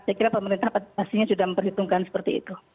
saya kira pemerintah pastinya sudah memperhitungkan seperti itu